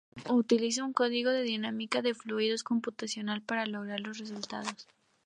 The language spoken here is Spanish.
Utilizó un código de dinámica de fluidos computacional para lograr los resultados.